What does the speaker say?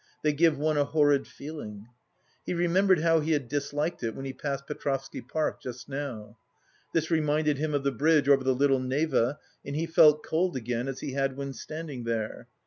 They give one a horrid feeling." He remembered how he had disliked it when he passed Petrovsky Park just now. This reminded him of the bridge over the Little Neva and he felt cold again as he had when standing there.